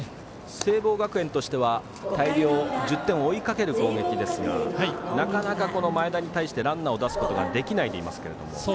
聖望学園としては大量１０点を追いかける攻撃ですがなかなか前田に対してランナーを出すことができないでいますけども。